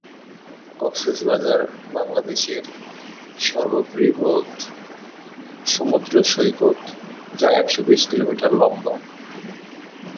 তবে পাকিস্তানের একমাত্র ইনিংসে বল হাতে কোন উইকেট পাননি।